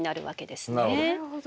なるほど。